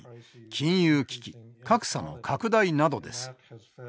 金融危機格差の拡大などです。